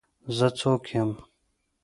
زه څوک یم.